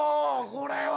これは！